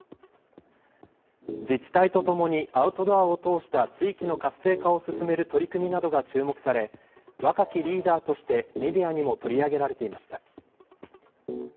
自治体とともにアウトドアを通した地域の活性化を進める取り組みなどが注目され、若きリーダーとしてメディアにも取り上げられていました。